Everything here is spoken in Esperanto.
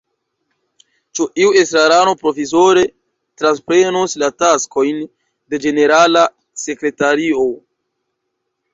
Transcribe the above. Ĉu iu estrarano provizore transprenos la taskojn de ĝenerala sekretario?